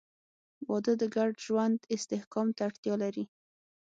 • واده د ګډ ژوند استحکام ته اړتیا لري.